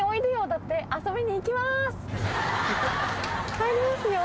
入りますよ？